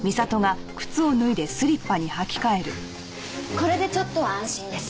これでちょっとは安心です。